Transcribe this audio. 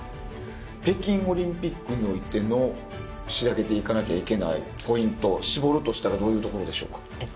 北京オリンピックにおいての仕上げていかなきゃいけないポイントを絞るとしたらどういうところでしょうか？